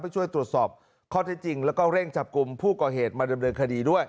ช่วยตรวจสอบข้อเท็จจริงแล้วก็เร่งจับกลุ่มผู้ก่อเหตุมาดำเนินคดีด้วย